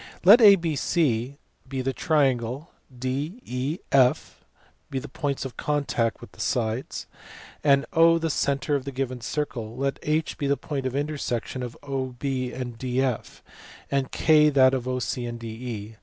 Let ABC be the triangle, J9, E, F the points of contact of the sides, and the centre of the given circle. Let H be the point of inter section of OB and DF, and K that of OC and DE.